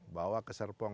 bawa ke serpong